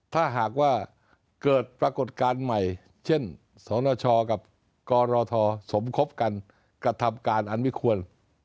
ถ้าหากว่าเกิดปรากฏการณ์ใหม่เช่นสนชกับกรทสมคบกันกระทำการอันมิควร